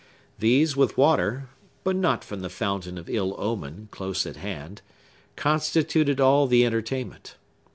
These, with water,—but not from the fountain of ill omen, close at hand,—constituted all the entertainment.